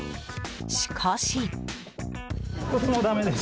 しかし。